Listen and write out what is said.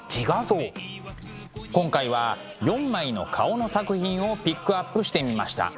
今回は４枚の顔の作品をピックアップしてみました。